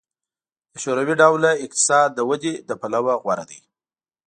د شوروي ډوله اقتصاد د ودې له پلوه غوره دی